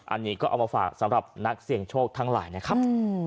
อันนี้ก็เอามาฝากสำหรับนักเสี่ยงโชคทั้งหลายนะครับ